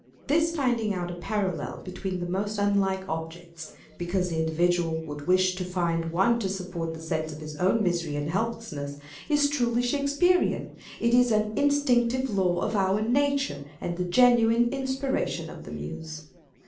This finding out a parallel between the most unlike objects, because the individual would wish to find one to support the sense of his own misery and helpless ness, is truly Shakespearian ; it is an instinctive law of our nature, and the genuine inspiration of the Muse.